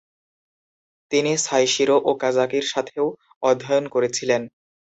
তিনি সাইশিরো ওকাজাকির সাথেও অধ্যয়ন করেছিলেন।